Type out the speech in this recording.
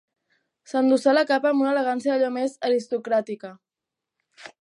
S'endossà la capa amb una elegància d'allò més aristocràtica.